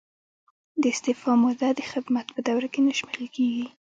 د استعفا موده د خدمت په دوره کې نه شمیرل کیږي.